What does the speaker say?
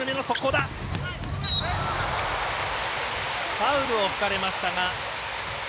ファウルを吹かれましたが。